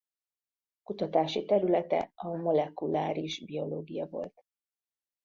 Kutatási területe a molekuláris biológia volt.